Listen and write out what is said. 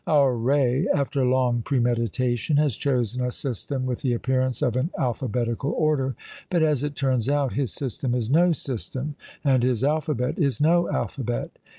Our Ray, after long premeditation, has chosen a system with the appearance of an alphabetical order; but, as it turns out, his system is no system, and his alphabet is no alphabet.